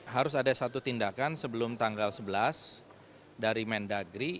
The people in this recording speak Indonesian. harus ada satu tindakan sebelum tanggal sebelas dari mendagri